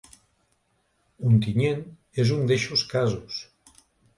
Ontinyent és un d’eixos casos.